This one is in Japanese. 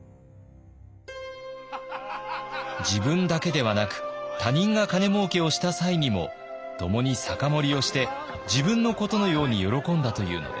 自分だけではなく他人が金もうけをした際にも共に酒盛りをして自分のことのように喜んだというのです。